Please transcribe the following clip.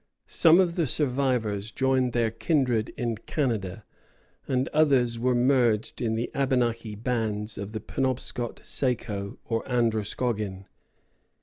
Some of the survivors joined their kindred in Canada, and others were merged in the Abenaki bands of the Penobscot, Saco, or Androscoggin.